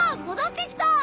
戻ってきた！